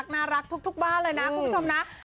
น่ารักทุกบ้านเลยนะคุณผู้ชมนะ